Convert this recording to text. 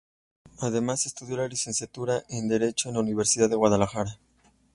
Además, estudió la licenciatura en Derecho, en la Universidad de Guadalajara.